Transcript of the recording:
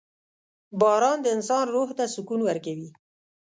• باران د انسان روح ته سکون ورکوي.